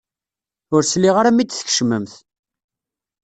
Ur sliɣ ara mi d-tkecmemt.